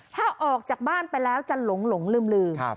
ถ้าออกจากบ้านไปแล้วจะหลงลืม